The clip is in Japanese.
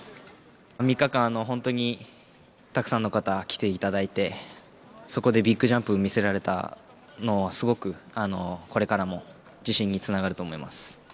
３日間、本当にたくさんの方に来ていただいて、そこでビッグジャンプを見せられたのは、すごくこれからも自信につながると思います。